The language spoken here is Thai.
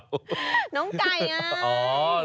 น้องไก่ไง